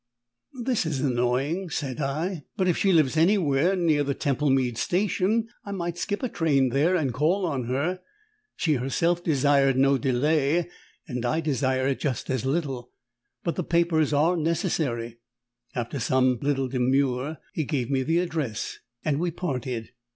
"This is annoying," said I; "but if she lives anywhere near the Temple Mead Station, I might skip a train there and call on her. She herself desired no delay, and I desire it just as little. But the papers are necessary." After some little demur, he gave me the address, and we parted.